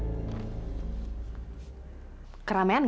kamu juga gak bisa dipercaya sama janda ya